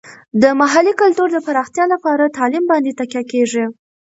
د محلي کلتور د پراختیا لپاره تعلیم باندې تکیه کیږي.